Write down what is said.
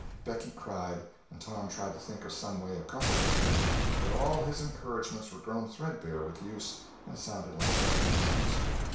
Becky cried, and Tom tried to think of some way of comforting her, but all his encouragements were grown thread bare with use, and sounded like sarcasms.